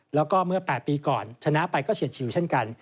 แล้วก็เมื่อ๘ปีก่อนชนะไปก็เฉียดชิวเช่นกัน